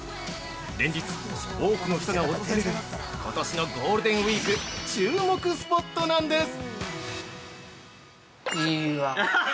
連日、多くの人が訪れることしのゴールデンウイーク注目スポットなんです！